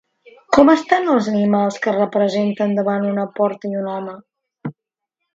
Com estan els animals que es representen davant una porta i un home?